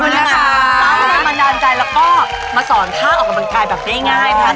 ก็ได้มาด่านใจแล้วก็มาสอนท่าออกกำลังกายแบบง่ายนะครับ